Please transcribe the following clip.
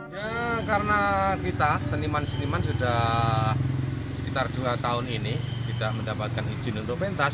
ya karena kita seniman seniman sudah sekitar dua tahun ini tidak mendapatkan izin untuk pentas